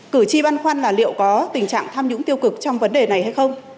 cử tri băn khoăn là liệu có tình trạng tham nhũng tiêu cực trong vấn đề này hay không